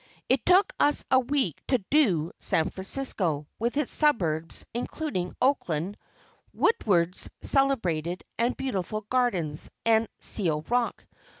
It took us a week to "do" San Francisco, with its suburbs, including Oakland, Woodward's celebrated and beautiful Gardens, and "Seal Rock."